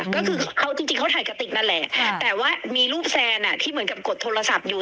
ก็คือเขาจริงเขาถ่ายกระติกนั่นแหละแต่ว่ามีรูปแซนที่เหมือนกับกดโทรศัพท์อยู่